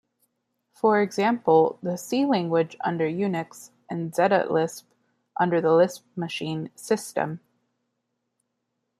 For example, the C language under Unix, and Zetalisp under the Lisp Machine system.